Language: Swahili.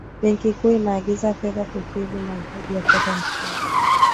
benki kuu inaagiza fedha kukidhi mahitaji ya fedha nchini